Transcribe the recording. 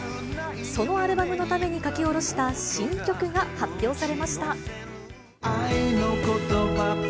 そのアルバムのために書き下ろした新曲が発表されました。